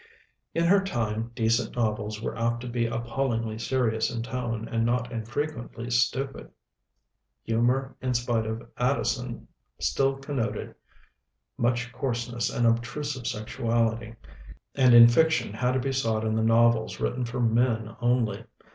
In her time decent novels were apt to be appallingly serious in tone, and not infrequently stupid; humor in spite of Addison still connoted much coarseness and obtrusive sexuality, and in fiction had to be sought in the novels written for men only.